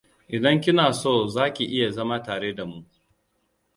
Idan kina so za ki iya zama tare da mu.